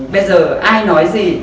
bây giờ ai nói gì